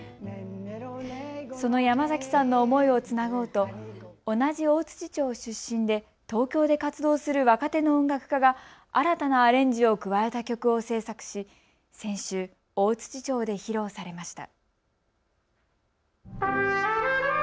その山崎さんの思いをつなごうと同じ大槌町出身で東京で活動する若手の音楽家が新たなアレンジを加えた曲を制作し先週、大槌町で披露されました。